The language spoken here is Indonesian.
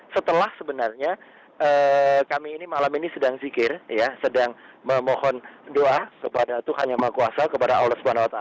setelah sebenarnya kami ini malam ini sedang zikir sedang memohon doa kepada tuhan yang maha kuasa kepada allah swt